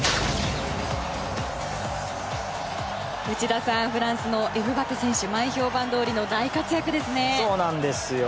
内田さん、フランスのエムバペ選手、前評判どおりの大活躍ですね。